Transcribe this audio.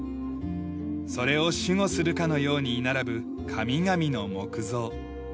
それを守護するかのように居並ぶ神々の木像。